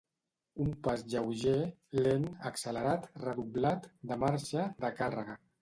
Un pas lleuger, lent, accelerat, redoblat, de marxa, de càrrega.